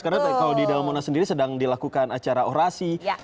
karena kalau di dalam monas sendiri sedang dilakukan acara orasi